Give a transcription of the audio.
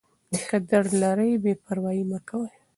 که درد لرئ بې پروايي مه کوئ.